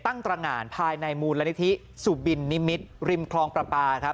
ตรงานภายในมูลนิธิสุบินนิมิตรริมคลองประปาครับ